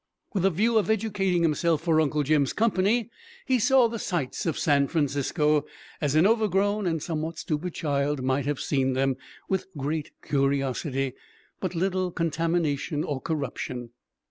With a view of educating himself for Uncle Jim's company, he "saw the sights" of San Francisco as an over grown and somewhat stupid child might have seen them with great curiosity, but little contamination or corruption.